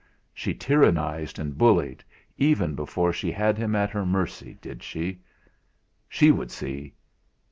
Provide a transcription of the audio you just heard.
She tyrannised and bullied, even before she had him at her mercy, did she? She should see!